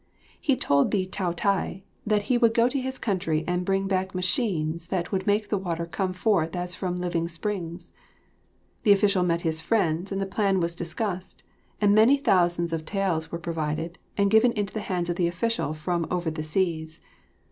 He told the Taotai that he would go to his country and bring back machines that would make the water come forth as from living springs. The official met his friends and the plan was discussed and many thousands of taels were provided and given into the hands of the official from over the seas.